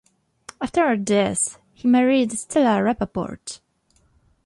After her death, he married Stella Rapaport.